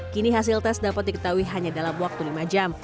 kini hasil tes dapat diketahui hanya dalam waktu lima jam